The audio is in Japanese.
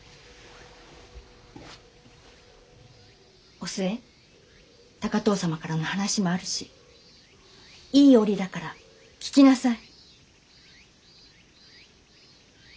お寿恵高藤様からの話もあるしいい折だから聞きなさい。